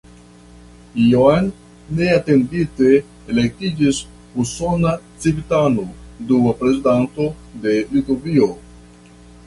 Iom neatendite elektiĝis usona civitano dua prezidanto de Litovio.